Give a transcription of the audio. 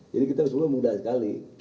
jadi kita harus melihat mudah sekali